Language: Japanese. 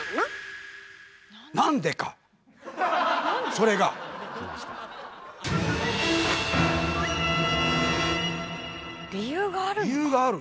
それが⁉理由があるのか。